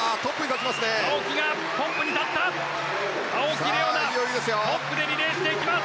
青木がトップで立った青木玲緒樹トップでリレーしていきます。